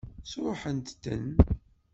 Sṛuḥent-ten?